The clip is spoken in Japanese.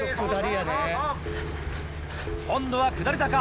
今度は下り坂。